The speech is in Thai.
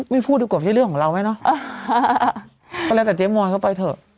พูดดีกว่าไม่ใช่เรื่องของเราไหมเนาะก็แล้วแต่เจ๊มอยเข้าไปเถอะ